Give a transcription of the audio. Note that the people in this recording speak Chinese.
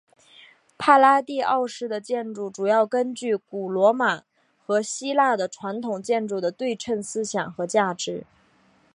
帕拉第奥式的建筑主要根据古罗马和希腊的传统建筑的对称思想和价值。